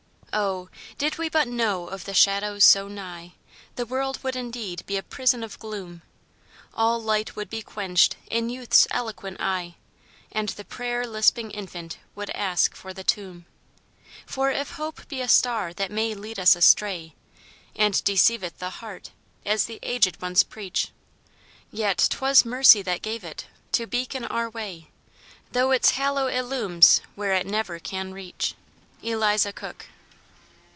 Oh! did we but know of the shadows so nigh, The world would indeed be a prison of gloom; All light would be quenched in youth's eloquent eye, And the prayer lisping infant would ask for the tomb. For if Hope be a star that may lead us astray, And "deceiveth the heart," as the aged ones preach; Yet 'twas Mercy that gave it, to beacon our way, Though its halo illumes where it never can reach. ELIZA COOK.